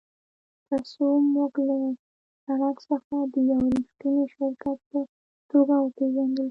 ترڅو موږ له سړک څخه د یو ریښتیني شرکت په توګه وپیژندل شو